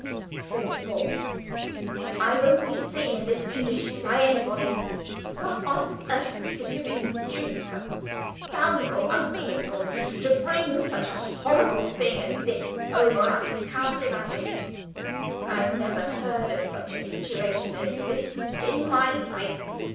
screamed Paul. "I won't be seen in this condition by anybody! What on earth could have induced that scoundrelly uncle of yours to bring such a horrible thing as this over I can't imagine! I never heard of such a situation as this in my life.